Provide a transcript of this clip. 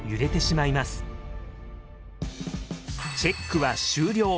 チェックは終了。